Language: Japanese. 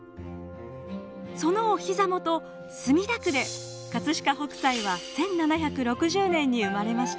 そのお膝元墨田区で飾北斎は１７６０年に生まれました。